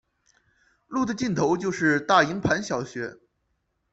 路的尽头就是大营盘小学。